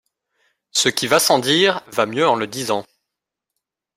Ce qui va sans dire va mieux en le disant.